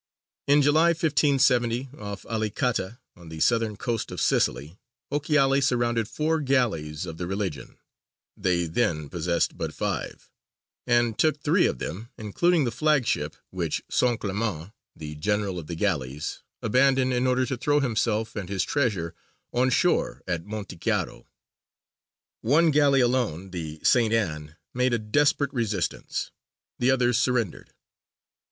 In July, 1570, off Alicata, on the southern coast of Sicily, Ochiali surrounded four galleys of "the Religion" they then possessed but five and took three of them, including the flagship, which Saint Clément, the general of the galleys, abandoned in order to throw himself and his treasure on shore at Montichiaro. One galley alone, the St. Ann, made a desperate resistance; the others surrendered.